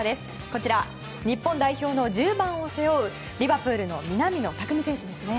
こちら日本代表の１０番を背負うリバプールの南野拓実選手ですね。